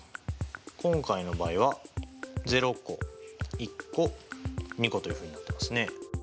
今回の場合は０個１個２個というふうになってますね。